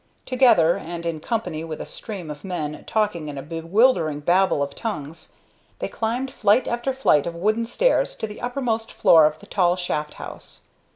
Together, and in company with a stream of men talking in a bewildering Babel of tongues, they climbed flight after flight of wooden stairs to the uppermost floor of the tall shaft house.